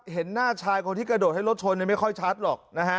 เห็นหน้าชายคนที่กระโดดให้รถชนไม่ค่อยชัดหรอกนะฮะ